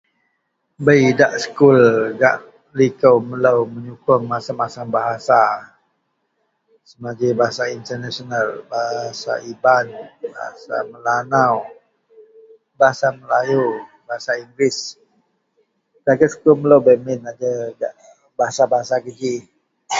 Bei idak sekul gak likou melou menyukuong masem-masem bahasa samaji bahasa International, bahasa lban, bahasa Melanau, bahasa Melayu, bahasa Inggeris. Dagen sekul melou bei memin najer bahasa-bahasa geji.